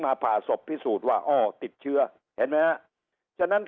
ผ่าศพพิสูจน์ว่าอ้อติดเชื้อเห็นไหมฮะฉะนั้น